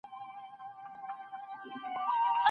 تولستوی د خپل هېواد د تاریخ په لیکنو کې ډېر دقت کاوه.